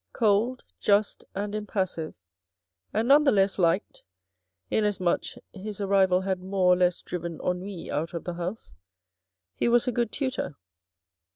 Cold, just and impassive, and none the less liked, inasmuch his arrival had more or less driven ennui out of the house, he was a good tutor.